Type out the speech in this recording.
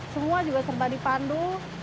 semua juga serba dipandu